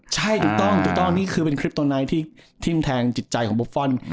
ใช่ต่ต้นนี่คือเป็นคริปโตน้ยที่ทิ้มแทงจิตใจของบุฟฟอล